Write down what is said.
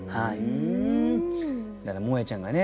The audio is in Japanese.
もえちゃんがね